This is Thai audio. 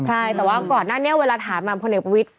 ใช่แต่ว่าก่อนนั้นเนี่ยเวลาถามมาคนเอกประวิทย์